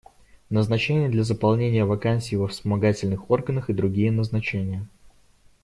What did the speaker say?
Назначения для заполнения вакансий во вспомогательных органах и другие назначения.